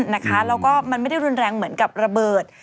แล้วก็มันไม่ได้รุนแรงเหมือนกับระเบิด